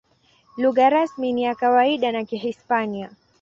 Lugha rasmi na ya kawaida ni Kihispania.